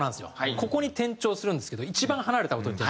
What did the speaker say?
ここに転調するんですけど一番離れた音に転調する。